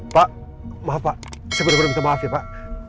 pak maaf pak saya benar benar minta maaf ya pak